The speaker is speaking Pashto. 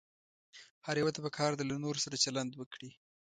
هر يوه ته پکار ده له نورو سره چلند وکړي.